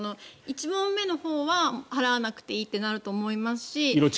１問目のほうは払わなくていいってなると思いますし。